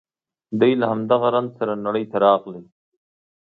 دی له همدغه رنځ سره نړۍ ته راغلی